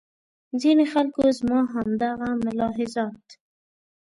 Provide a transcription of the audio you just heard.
ځینې خلکو زما همدغه ملاحظات.